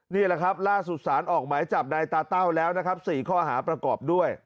นี่แหละครับล่าสุดสารออกหมายจับนายตาเต้าแล้วนะครับ๔ข้อหาประกอบด้วย